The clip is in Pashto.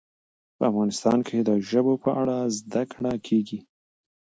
په افغانستان کې د ژبو په اړه زده کړه کېږي.